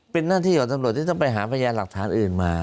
เป็นหน้าที่ของตำรวจที่ต้องไปหาพยานหลักฐานอื่นมา